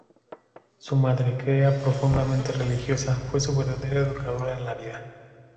Su madre, que era profundamente religiosa, fue su verdadera educadora en la vida.